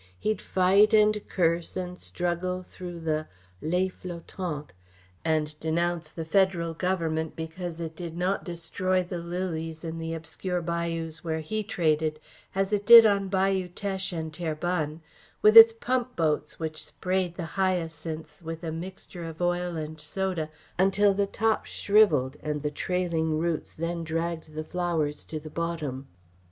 He'd fight and curse and struggle through the les flotantes, and denounce the Federal Government, because it did not destroy the lilies in the obscure bayous where he traded, as it did on Bayou Teche and Terrebonne, with its pump boats which sprayed the hyacinths with a mixture of oil and soda until the tops shrivelled and the trailing roots then dragged the flowers to the bottom.